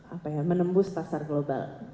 apa ya menembus pasar global